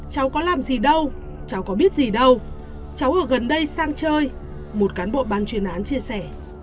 cháu có làm gì đâu cháu có biết gì đâu cháu ở gần đây sang chơi một cán bộ ban chuyên án chia sẻ